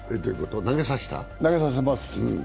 投げさせます。